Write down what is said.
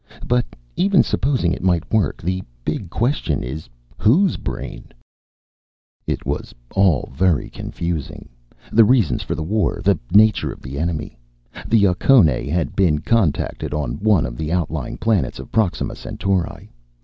"But even supposing it might work, the big question is whose brain?" It was all very confusing, the reasons for the war, the nature of the enemy. The Yucconae had been contacted on one of the outlying planets of Proxima Centauri.